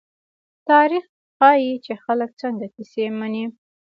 تاریخ ښيي، چې خلک څنګه کیسې مني.